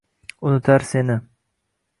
unutar seni